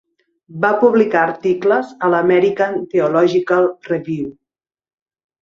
Va publicar articles a la "American Theological Review".